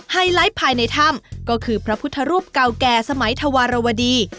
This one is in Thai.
ไลท์ภายในถ้ำก็คือพระพุทธรูปเก่าแก่สมัยธวรวดี